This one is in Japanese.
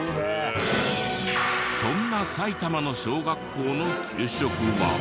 そんな埼玉の小学校の給食は？